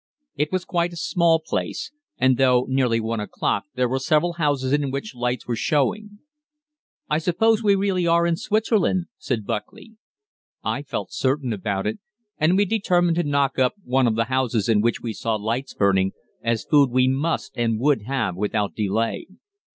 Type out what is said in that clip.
It was quite a small place, and though nearly 1 o'clock there were several houses in which lights were showing. "I suppose we really are in Switzerland," said Buckley. I felt certain about it, and we determined to knock up one of the houses in which we saw lights burning, as food we must and would have without delay.